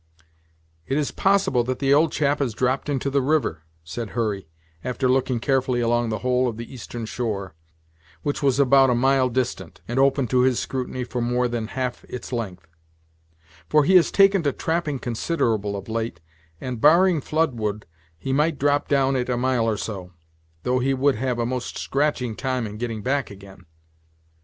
"It is possible that the old chap has dropped into the river," said Hurry, after looking carefully along the whole of the eastern shore, which was about a mile distant, and open to his scrutiny for more than half its length; "for he has taken to trapping considerable, of late, and, barring flood wood, he might drop down it a mile or so; though he would have a most scratching time in getting back again!"